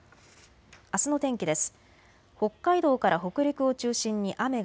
あすの天気です。